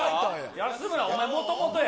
安村、お前、もともとや。